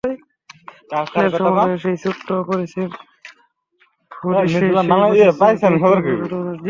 প্রাণের সমারোহে সেই ছোট্ট অপরিসর ভূদৃশ্যেই যেন বসেছে মানুষের বৃহত্তম হাটবাজার।